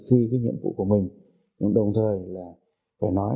thì cái mà chúng tôi muốn